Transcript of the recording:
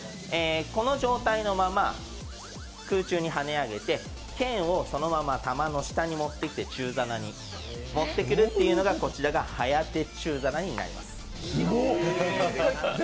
この状態のまま、空中にはね上げて、けんをそのまま皿の下に持ってきて中皿に持ってくるっていうのがこちらがはやて中皿になります。